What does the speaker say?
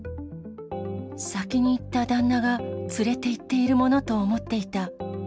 先に行った旦那が連れていっているものと思っていた。